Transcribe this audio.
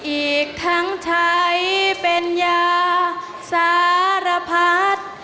อีกทั้งใช้เป็นยาสารพัด